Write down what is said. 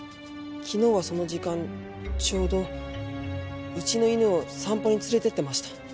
昨日はその時間ちょうどうちの犬を散歩に連れてってました。